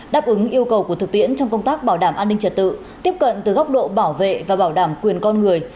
đáp ứng yêu cầu của thực tiễn trong công tác bảo đảm an ninh trật tự tiếp cận từ góc độ bảo vệ và bảo đảm quyền con người